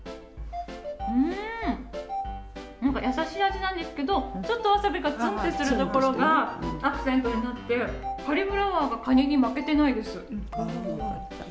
優しい味なんですけど、ちょっとわさびがツンってするところがアクセントになってカリフラワーがカニに負けてないです。